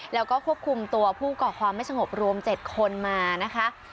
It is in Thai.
แล้วก็ควบคุมตัวผู้ก่อความไม่สงบรวม๗คนมานะคะ